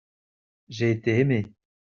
j'ai été aimé.